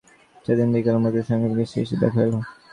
সেদিন বিকালে মতির সঙ্গে শশীর দেখা হইল।